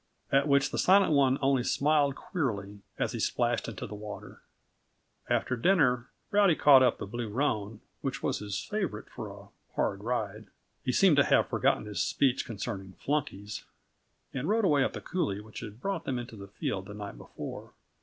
At which the Silent One only smiled queerly as he splashed into the water. After dinner Rowdy caught up the blue roan, which was his favorite for a hard ride he seemed to have forgotten his speech concerning "flunkies" and rode away up the coulee which had brought them into the field the night before.